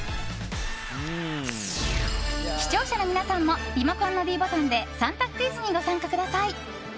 視聴者の皆さんもリモコンのｄボタンで３択クイズにご参加ください。